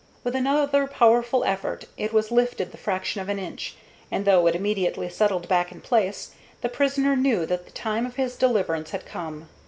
With another powerful effort it was lifted the fraction of an inch, and, though it immediately settled back in place, the prisoner knew that the time of his deliverance had come.